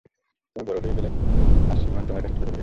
তুমি বড় হয়ে গেলে আর সিওয়ান তোমার কাছে ছোট হয়ে গেল।